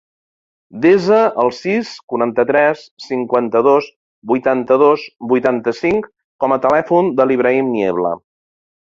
Desa el sis, quaranta-tres, cinquanta-dos, vuitanta-dos, vuitanta-cinc com a telèfon de l'Ibrahim Niebla.